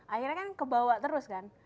akhirnya kan kebawa terus kan